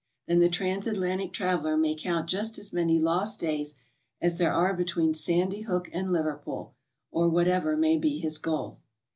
then the trans Atlantic traveler may count just as many lost days as there are between Sandy Hook and Liverpool, or whatever may be his goal.